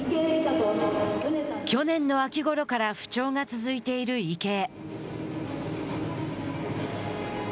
去年の秋ごろから不調が続いている池江。